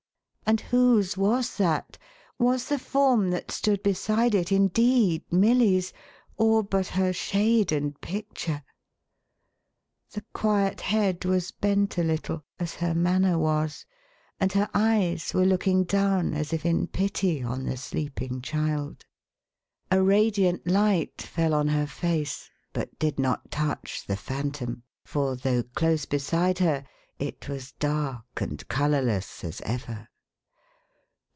And whose was that? Was the form that stood beside it indeed Milly's, or but her shade and picture ? The quiet head was bent a little, as her manner was, and her eyes were looking down, as if in pity, on the sleeping child. A radiant light fell on her face, but did not touch the Phantom ; for, though close beside her, it was dark and colourless as ever.